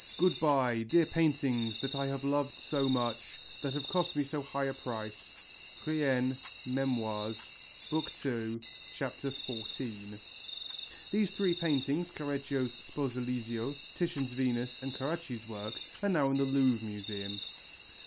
Good bye, dear paintings that I have loved so much, that have cost me so high a price!'" (Brienne, Memoires, II, XIV). These three paintings, Correggio's Sposalizio, Titian's Venus, and Carracci's work, are now in the Louvre Museum.